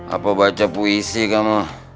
apa baca puisi kamu